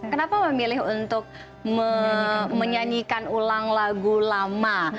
kenapa memilih untuk menyanyikan ulang lagu lama